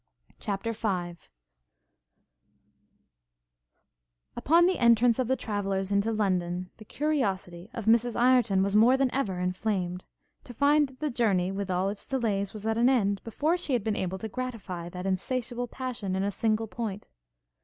CHAPTER V Upon the entrance of the travellers into London, the curiosity of Mrs Ireton was more than ever inflamed, to find that the journey, with all its delays, was at an end, before she had been able to gratify that insatiable passion in a single point.